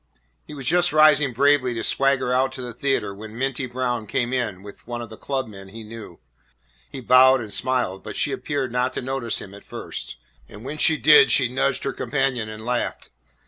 He was just rising bravely to swagger out to the theatre when Minty Brown came in with one of the club men he knew. He bowed and smiled, but she appeared not to notice him at first, and when she did she nudged her companion and laughed.